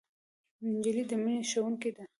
نجلۍ د مینې ښوونکې ده.